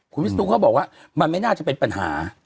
คุณวิศนุเขาบอกว่ามันไม่น่าจะเป็นปัญหา